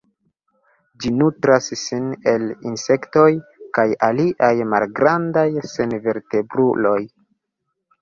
Ĝi nutras sin el insektoj kaj aliaj malgrandaj senvertebruloj.